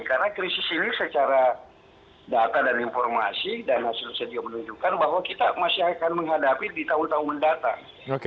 karena krisis ini secara data dan informasi dan hasil sedia menunjukkan bahwa kita masih akan menghadapi di tahun tahun mendatang